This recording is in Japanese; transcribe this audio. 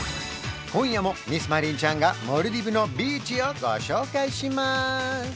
今夜もミスマリンちゃんがモルディブのビーチをご紹介します